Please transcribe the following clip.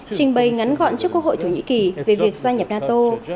trình bày ngắn gọn trước quốc hội thổ nhĩ kỳ về việc gia nhập nato